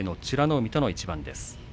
海との一番です。